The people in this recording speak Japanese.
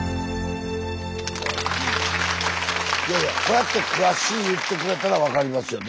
いやいやこうやって詳しく言ってくれたら分かりますよね